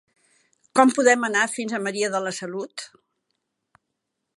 Com podem anar fins a Maria de la Salut?